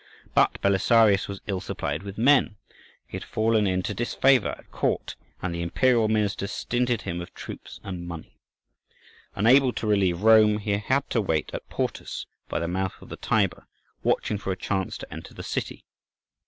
But Belisarius was ill supplied with men; he had fallen into disfavour at Court, and the imperial ministers stinted him of troops and money. Unable to relieve Rome, he had to wait at Portus, by the mouth of the Tiber, watching for a chance to enter the city.